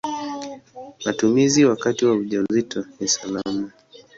Matumizi wakati wa ujauzito ni salama.